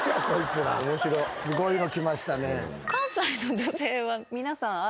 すごいの来ましたね。